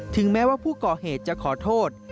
แม้ว่าผู้ก่อเหตุจะขอโทษ